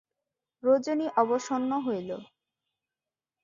রজনী অবসন্ন হইল।